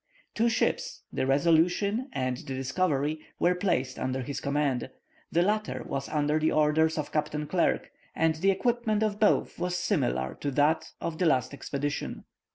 Two ships, the Resolution and the Discovery, were placed under his command. The latter was under the orders of Captain Clerke; and the equipment of both was similar to that of the last expedition.